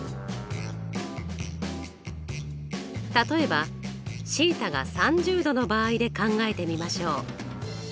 例えばθが３０°の場合で考えてみましょう。